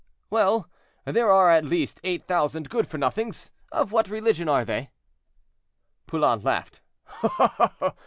"Well, there are at least eight thousand good for nothings; of what religion are they?" Poulain laughed.